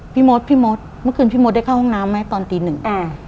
พี่มดพี่มดเมื่อคืนพี่มดได้เข้าห้องน้ำไหมตอนตีหนึ่งอ่า